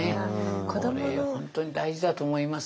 これ本当に大事だと思います。